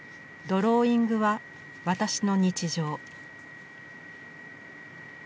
ドローイングは私の日常。